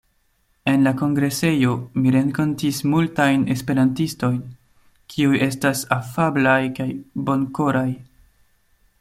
En la kongresejo mi renkontis multajn esperantistojn, kiuj estas afablaj kaj bonkoraj.